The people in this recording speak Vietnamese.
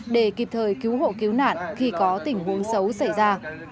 để kịp thời cứu hộ cứu nạn khi có tình huống xấu xảy ra